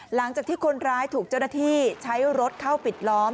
หลังจากที่คนร้ายถูกเจ้าหน้าที่ใช้รถเข้าปิดล้อม